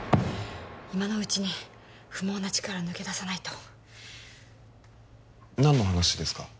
今のうちに不毛な地から抜け出さないと何の話ですか？